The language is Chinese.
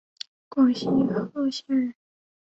广西贺县人。